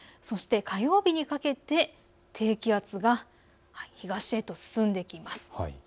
そして火曜日にかけて低気圧が東へと進んできます。